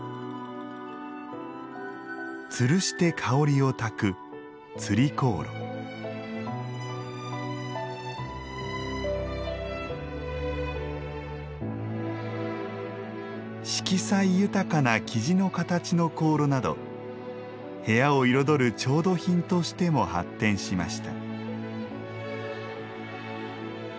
吊して香りをたく吊香炉。色彩豊かな雉の形の香炉など部屋を彩る調度品としても発展しました。